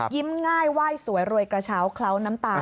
ยิ้มง่ายว่ายสวยรวยกระเช้าเคล้าน้ำตา